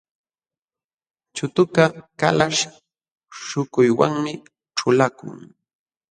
Chutukaq kalaśh śhukuywanmi ćhulakun.